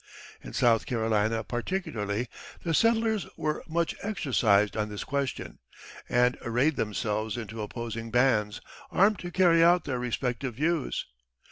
In South Carolina, particularly, the settlers were much exercised on this question, and arrayed themselves into opposing bands, armed to carry out their respective views.